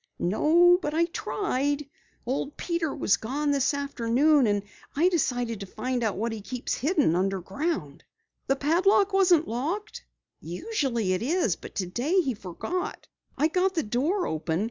"No, but I tried. Old Peter was gone this afternoon and I decided to find out what he keeps hidden underground." "The padlock wasn't locked?" "Usually it is, but today he forgot. I got the door open.